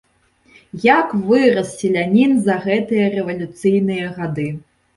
Як вырас селянін за гэтыя рэвалюцыйныя гады!